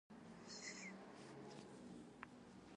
ژوندي خدای ته رجوع کوي